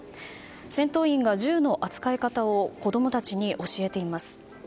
戦闘員が銃の扱い方を子供たちに教えています。